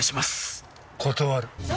断る。